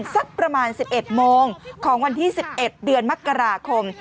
สักประมาณ๑๑โมงของวันที่๑๑เดือนมกราคม